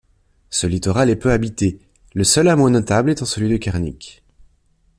Ce littoral est peu habité, le seul hameau notable étant celui de Kernic.